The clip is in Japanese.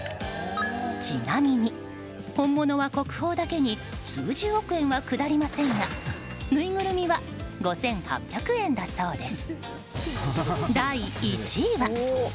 ちなみに、本物は国宝だけに数十億円は下りませんがぬいぐるみは５８００円だそうです。